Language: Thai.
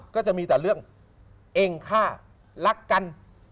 ก็จะมีแต่เรื่องเองฆ่ารักกัน